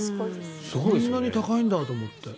こんなに高いんだと思って。